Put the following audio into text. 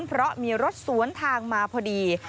เพราะมีรถสวนทางมาพอดี